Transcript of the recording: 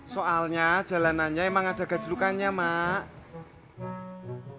soalnya jalanannya emang ada gajlukannya mak